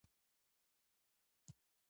خوشال په کلاسيکه شاعرۍ کې هغه کس دى